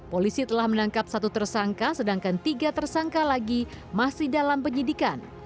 polisi telah menangkap satu tersangka sedangkan tiga tersangka lagi masih dalam penyidikan